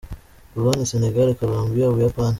Pologne, Senegal, Colombia, U Buyapani